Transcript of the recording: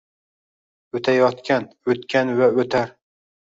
Oʼtayotgan, oʼtgan va oʼtar –